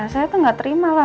saya tuh gak terima lah